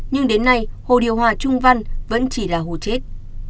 nhưng đến nay hồ điều hòa trung văn vẫn chỉ là hồ chết